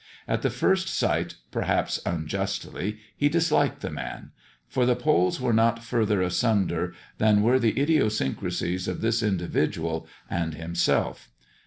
At the first sight,, perhaps unjustly, he disliked the man ; for the poles we^e not further asunder than were the idiosyncrasies Df this individual and himself.